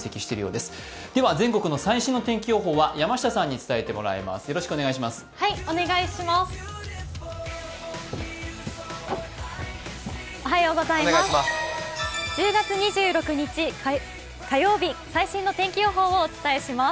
では全国の最新の天気予報は山下さんに伝えてもらいます。